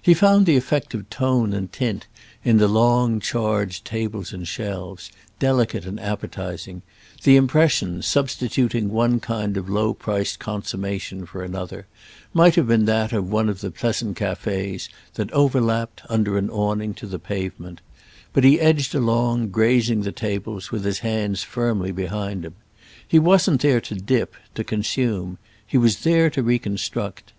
He found the effect of tone and tint, in the long charged tables and shelves, delicate and appetising; the impression—substituting one kind of low priced consommation for another—might have been that of one of the pleasant cafés that overlapped, under an awning, to the pavement; but he edged along, grazing the tables, with his hands firmly behind him. He wasn't there to dip, to consume—he was there to reconstruct.